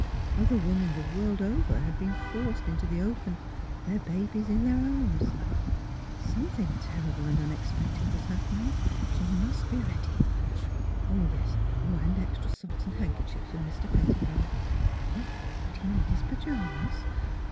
Other women the world over had been forced into the open, their babies in their arms. ... Some thing terrible and unexpected was happening. She must be ready. ... Oh, yes, and extra socks and handkerchiefs for Mr. Pettibone and would he need his pajamas?